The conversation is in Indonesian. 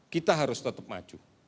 kita harus tetap maju